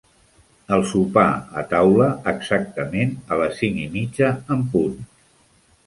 El sopar a taula exactament a les cinc i mitja en punt.